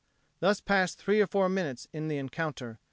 Thus passed three or four minutes in the encounter.